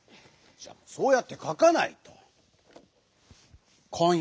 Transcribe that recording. じゃあそうやってかかないと！